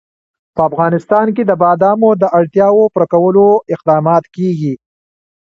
په افغانستان کې د بادامو د اړتیاوو پوره کولو اقدامات کېږي.